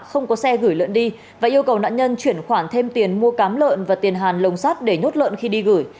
không có xe gửi lợn đi và yêu cầu nạn nhân chuyển khoản thêm tiền mua cám lợn và tiền hàn lồng sắt để nhốt lợn khi đi gửi